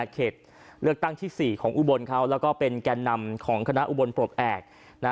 เขตเลือกตั้งที่๔ของอุบลเขาแล้วก็เป็นแก่นำของคณะอุบลปลดแอบ